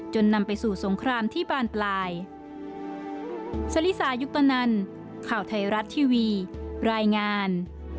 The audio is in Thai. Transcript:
นำไปสู่สงครามที่บานปลาย